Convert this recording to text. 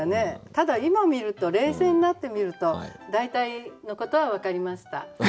ただ今見ると冷静になって見ると大体のことは分かりました。